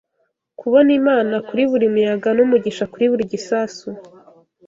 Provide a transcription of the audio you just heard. Kubona imana kuri buri muyaga n'umugisha kuri buri gisasu